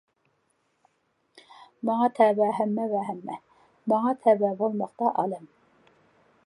ماڭا تەۋە ھەممە ۋە ھەممە، ماڭا تەۋە بولماقتا ئالەم.